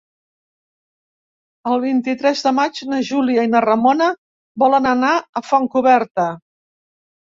El vint-i-tres de maig na Júlia i na Ramona volen anar a Fontcoberta.